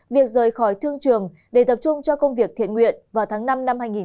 việc rời khỏi thương trường để tập trung cho công việc thiện nguyện vào tháng năm năm hai nghìn hai mươi